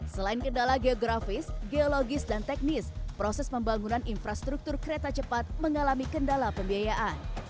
selain kendala geografis geologis dan teknis proses pembangunan infrastruktur kereta cepat mengalami kendala pembiayaan